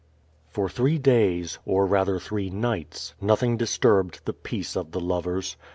For three days, or rather three nights, nothing disturbed the peace of the lovers.